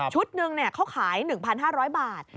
นึงเขาขาย๑๕๐๐บาท